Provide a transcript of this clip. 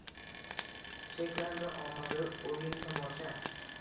Cheklandi ommaviy o’yin-tomosha.